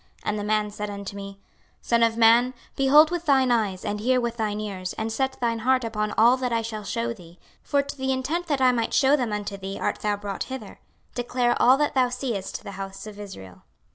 26:040:004 And the man said unto me, Son of man, behold with thine eyes, and hear with thine ears, and set thine heart upon all that I shall shew thee; for to the intent that I might shew them unto thee art thou brought hither: declare all that thou seest to the house of Israel.